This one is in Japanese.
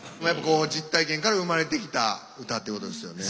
実体験から生まれてきた歌ってことですよね。